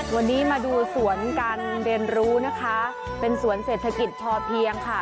วันนี้มาดูสวนการเรียนรู้นะคะเป็นสวนเศรษฐกิจพอเพียงค่ะ